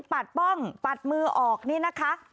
ปัดป้องปัดมือออกนี่นะคะ